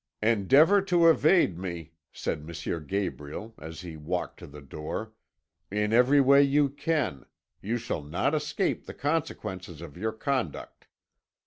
"'Endeavour to evade me,' said M. Gabriel, as he walked to the door, 'in every way you can, you shall not escape the consequences of your conduct.'